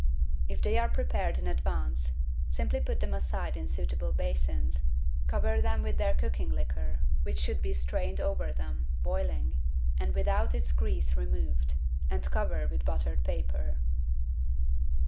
If they are prepared in advance, simply put them aside in suitable basins, cover them with their cooking liquor, which should be strained over them, boiling, and without its grease removed, and cover with buttered paper.